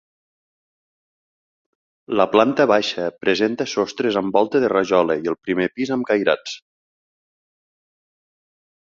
La planta baixa presenta sostres amb volta de rajola i el primer pis amb cairats.